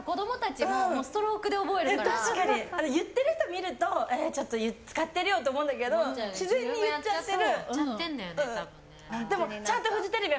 言ってる人を見るとちょっと使ってるよって思うけど自然に言っちゃってる。